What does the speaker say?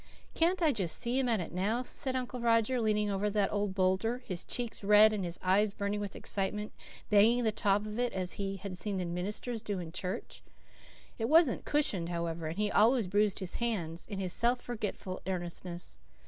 "Can't I just see him at it now," said Uncle Roger, "leaning over that old boulder, his cheeks red and his eyes burning with excitement, banging the top of it as he had seen the ministers do in church. It wasn't cushioned, however, and he always bruised his hands in his self forgetful earnestness.